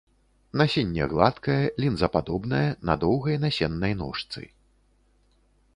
Насенне гладкае, лінзападобнае, на доўгай насеннай ножцы.